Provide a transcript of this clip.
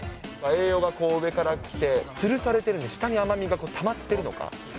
栄養が上から来て、つるされているので、下に甘みがたまっているのか。